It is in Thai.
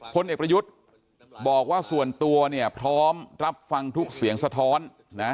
พลเอกประยุทธ์บอกว่าส่วนตัวเนี่ยพร้อมรับฟังทุกเสียงสะท้อนนะ